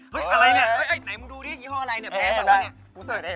เฮ้ยอะไรเนี่ยไหนมึงดูดิยี่ห้ออะไรเนี่ยแพงหรือเปล่าเนี่ย